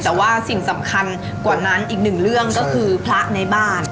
แต่ว่าสิ่งสำคัญกว่านั้นอีกหนึ่งเรื่องก็คือพระในบ้าน